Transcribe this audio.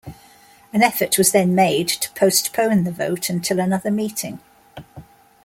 An effort was then made to postpone the vote until another meeting.